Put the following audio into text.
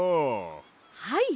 はい！